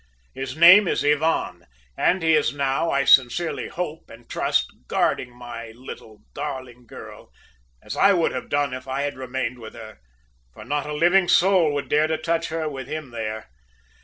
His name is Ivan, and he is now, I sincerely hope and trust, guarding my little darling girl, as I would have done if I had remained with her, for not a living soul would dare to touch her with him there.